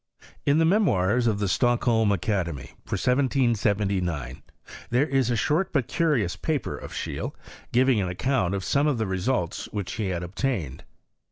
In the Memoirs of the Stockholm Academy, for 1779, there is a short but curious paper of Scheele, giving an account of some results which he had obtained.